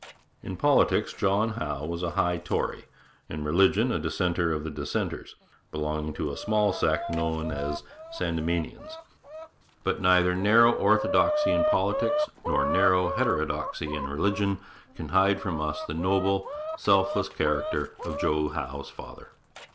In politics John Howe was a high Tory; in religion a dissenter of the dissenters, belonging to a small sect known as Sandemanians. But neither narrow orthodoxy in politics nor narrow heterodoxy in religion can hide from us the noble, self less character of Joe Howe's father.